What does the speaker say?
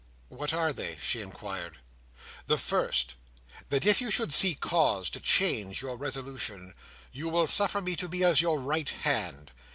"What are they?" she inquired. "The first, that if you should see cause to change your resolution, you will suffer me to be as your right hand.